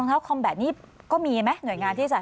เท้าคอมแบตนี้ก็มีไหมหน่วยงานที่ใส่